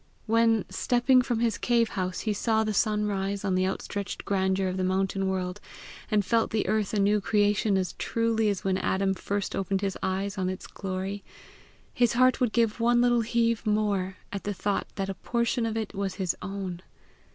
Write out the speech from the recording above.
When, stepping from his cave house, he saw the sun rise on the outstretched grandeur of the mountain world, and felt the earth a new creation as truly as when Adam first opened his eyes on its glory, his heart would give one little heave more at the thought that a portion of it was his own.